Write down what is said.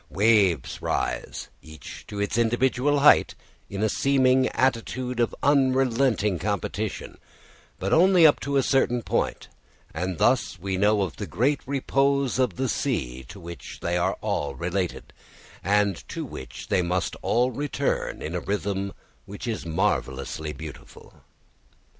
Waves rise, each to its individual height in a seeming attitude of unrelenting competition, but only up to a certain point; and thus we know of the great repose of the sea to which they are all related, and to which they must all return in a rhythm which is marvellously beautiful.